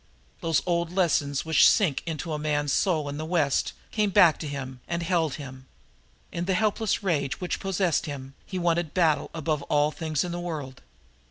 Those old lessons which sink into a man's soul in the West came back to him and held him. In the helpless rage which possessed him he wanted battle above all things in the world.